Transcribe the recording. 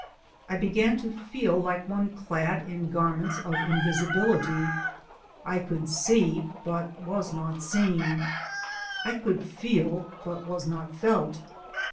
I began to feel like one clad in garments of invisibility. I could see, but was not seen. I could feel, but was not felt.